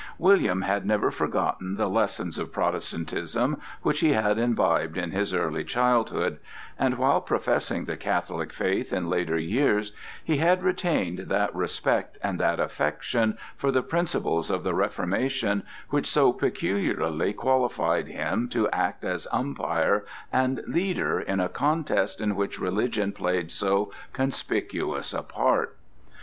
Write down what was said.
William had never forgotten the lessons of Protestantism which he had imbibed in his early childhood, and while professing the Catholic faith in later years, he had retained that respect and that affection for the principles of the Reformation which so peculiarly qualified him to act as umpire and leader in a contest in which religion played so conspicuous a part.